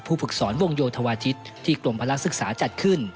ฝึกสอนวงโยธวาทิศที่กรมพลักษึกษาจัดขึ้น